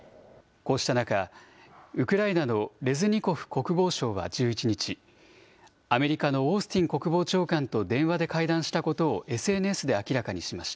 こうした中、ウクライナのレズニコフ国防相は１１日、アメリカのオースティン国防長官と電話で会談したことをＳＮＳで明らかにしました。